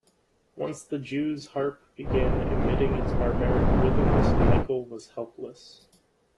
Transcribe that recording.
Once the jews harp began emitting its barbaric rhythms, Michael was helpless.